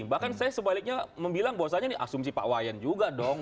bahkan saya sebaliknya membilang bahwasannya ini asumsi pak wayan juga dong